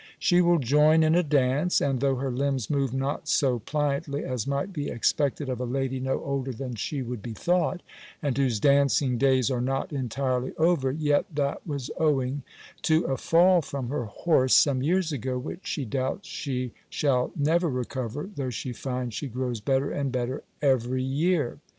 She will join in a dance; and though her limbs move not so pliantly as might be expected of a lady no older than she would be thought, and whose dancing days are not entirely over, yet that was owing to a fall from her horse some years ago, which, she doubts, she shall never recover, though she finds she grows better and better, every year.